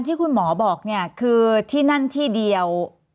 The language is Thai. ๗๐๐๐ที่คุณหมอบอกคือที่นั่นที่เดียว